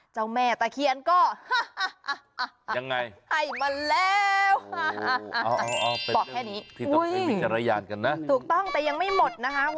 เจ้าแม่ตาเคียนก็หาหังใดให้มาแล้วอ้าวบอกแค่นี้ที่มีเจรญกันนะถูกต้องแต่ยังไม่หมดนะคะ